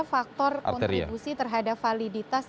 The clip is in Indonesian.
faktor kontribusi terhadap validitas